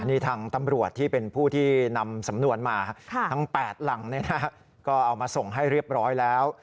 นี่ทางตำรวจที่เป็นผู้ที่นำสำนวนมาทั้ง๘หลังก็เอามาส่งให้เรียบร้อยแล้ว